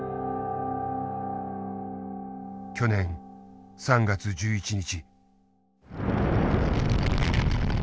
去年３月１１日。